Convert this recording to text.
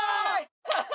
ハハハ！